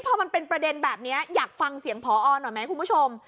พอมันเป็นประเด็นแบบนี้อยากฟังเสียงพอหน่อยไหมคุณผู้ชม